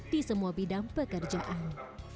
di semua bidang pekerjaan